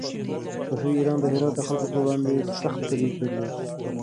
صفوي ایران د هرات د خلکو پر وړاندې سخت دريځ درلود.